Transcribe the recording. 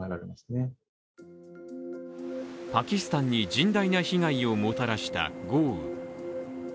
パキスタンに甚大な被害をもたらした豪雨。